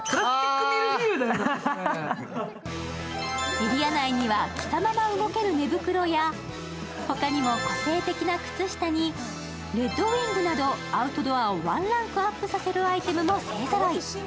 エリア内には着たまま動ける寝袋や他にも個性的な靴下にレッドウイングなどアウトドアをワンランクアップさせるアイテムも勢ぞろい。